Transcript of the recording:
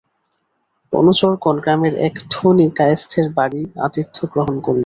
অনুচরগণ গ্রামের এক ধনী কায়স্থের বাড়ি আতিথ্য গ্রহণ করিল।